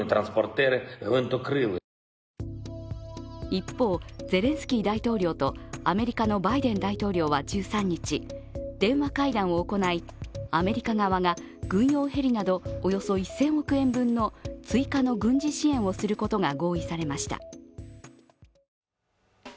一方、ゼレンスキー大統領とアメリカのバイデン大統領は１３日、電話会談を行い、アメリカ側が軍用ヘリなどおよそ１０００億円分の追加の軍事支援をすることが合意されました。